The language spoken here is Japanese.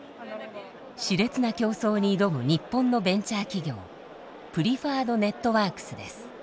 熾烈な競争に挑む日本のベンチャー企業プリファードネットワークスです。